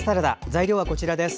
材料はこちらです。